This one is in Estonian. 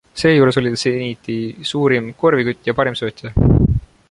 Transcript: Seejuures oli ta Zeniti suurim korvikütt ja parim söötja.